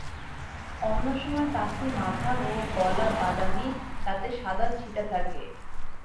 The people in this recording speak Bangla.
অন্য সময় পাখির মাথা ও গলা বাদামি, তাতে সাদা ছিটা থাকে।